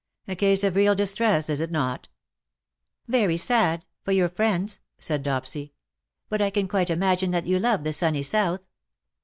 A case of real distress, is it not ?"" Very sad — for your friends," said Dopsy ;" but I can quite imagine that you love the sunny South.